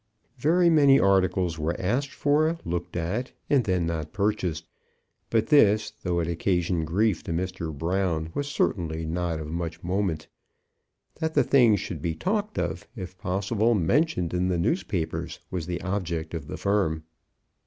Very many articles were asked for, looked at, and then not purchased. But this, though it occasioned grief to Mr. Brown, was really not of much moment. That the thing should be talked of, if possible mentioned in the newspapers was the object of the firm.